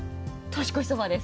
年越しそばです。